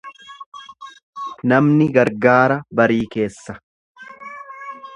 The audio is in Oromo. Namni gargaara barii keessa.